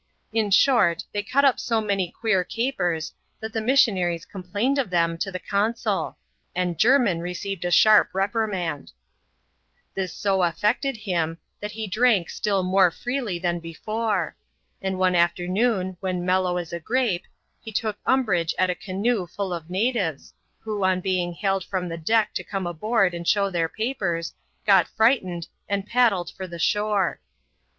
In short, they cut up so many queer capers, that the missionaries complained of them to the consul ; and Jermin received a sharp reprimand. This so affected him, that he drank still more, freely thaiir before; and one a^emooUf when mellow 8A > gsv^V^^ Nf^^ L 2 14S ADVENTURES IN THE SOUTH SEAS. [chap, xxxmu umbrage at a canoe full of natives^ who, on being hailed from the deck to come aboard and show their papers, got frightened, and paddled for the shore.